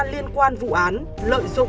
liên quan vụ án lợi dụng